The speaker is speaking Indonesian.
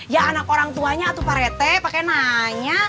ya anak orang tuanya atuh pak rete pake nanya